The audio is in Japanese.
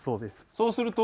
そうすると？